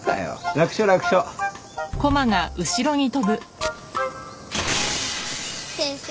楽勝楽勝・先生